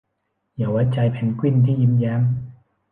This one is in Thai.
อย่าไว้ใจเพนกวินที่ยิ้มแย้ม